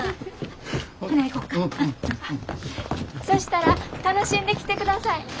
そしたら楽しんできてください。